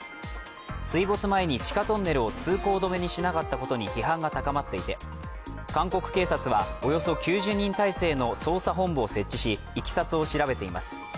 水没前に地下トンネルを通行止めにしなかったことに批判が高まっていて韓国警察はおよそ９０人態勢の捜査本部を設置し、いきさつを調べています。